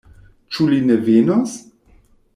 Ĉu li ne venos?